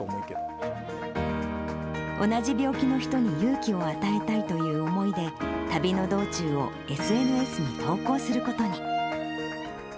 同じ病気の人に勇気を与えたいという思いで、旅の道中をＳＮＳに投稿することに。